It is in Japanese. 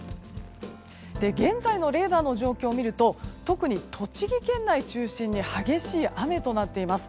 現在のレーダーの状況を見ると特に栃木県内中心に激しい雨となっています。